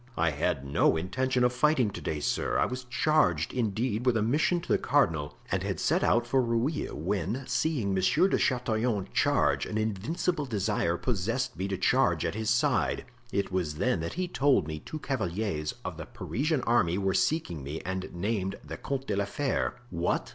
"I had no intention of fighting to day, sir; I was charged, indeed, with a mission to the cardinal and had set out for Rueil, when, seeing Monsieur de Chatillon charge, an invincible desire possessed me to charge at his side. It was then that he told me two cavaliers of the Parisian army were seeking me and named the Comte de la Fere." "What!